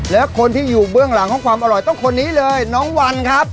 และคนที่อยู่เบื้องหลังของความอร่อยต้องคนนี้เลยน้องวันครับ